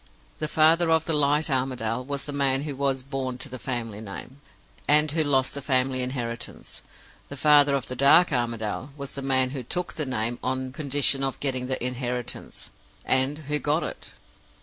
The father of the light Armadale was the man who was born to the family name, and who lost the family inheritance. The father of the dark Armadale was the man who took the name, on condition of getting the inheritance and who got it.